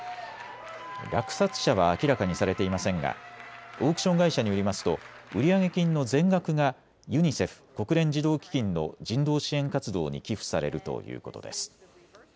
落札者は明らかにされていませんがオークション会社によりますと売上金の全額がＵＮＩＣＥＦ・国連児童基金の人道支援活動に寄付されるということです。